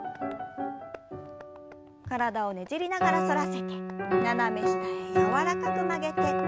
体をねじりながら反らせて斜め下へ柔らかく曲げて。